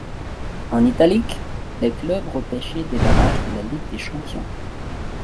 En italique, les clubs repêchés des barrages de la Ligue des Champions.